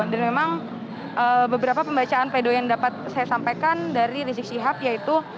dan memang beberapa pembacaan pedoi yang dapat saya sampaikan dari rizik syihab yaitu